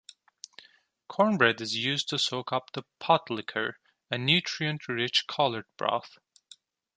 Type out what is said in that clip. Cornbread is used to soak up the "pot liquor", a nutrient-rich collard broth.